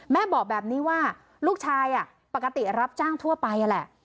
แม่บอกแบบนี้ว่าลูกชายปกติรับจ้างทั่วไปนั่นแหละ